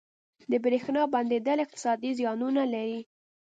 • د برېښنا بندیدل اقتصادي زیانونه لري.